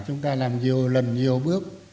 chúng ta làm nhiều lần nhiều bước